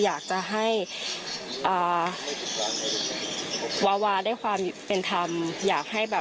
พี่น้องวาหรือว่าน้องวาหรือ